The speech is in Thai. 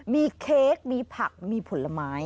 มีเค้กมีผักมีผลไม้